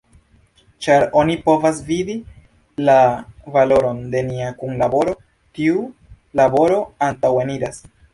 Ĉar oni povas vidi la valoron de nia kunlaboro, tiu laboro antaŭeniras.